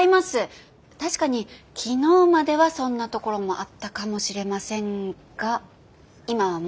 確かに昨日まではそんなところもあったかもしれませんが今はもう。